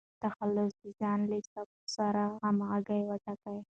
تخلص د ځان له صفاتو سره همږغي وټاکئ.